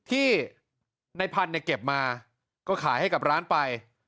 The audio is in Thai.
ที่นายพันธุ์เก็บมาก็ขายให้กับร้านได้ไป